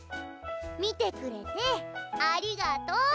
見てくれてありがとう。